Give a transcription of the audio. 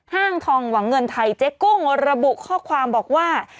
ห้างทองหวังเงินไทยเจ๊กุ้งระบุข้อความบอกว่า